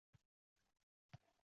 Soʻngra bajarishga ham kirishdingiz.